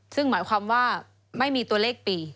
ซึ่งหมายความว่าไม่มีตัวเลขปี